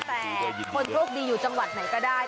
แต่คนโชคดีอยู่จังหวัดไหนก็ได้